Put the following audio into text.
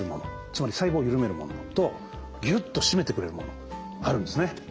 つまり細胞を緩めるものとギュッと締めてくれるものあるんですね。